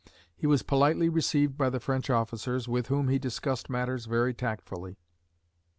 He was politely received by the French officers, with whom he discussed matters very tactfully.